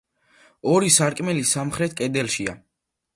ორი სარკმელი სამხრეთ კედელშია.